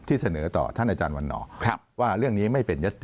เสนอต่อท่านอาจารย์วันออกว่าเรื่องนี้ไม่เป็นยติ